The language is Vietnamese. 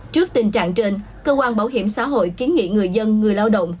trước tình trạng trên cơ quan bảo hiểm xã hội kiến nghị người dân người lao động